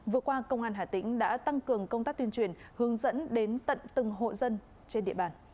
vừa qua công an hà tĩnh đã tăng cường công tác tuyên truyền hướng dẫn đến tận từng hộ dân trên địa bàn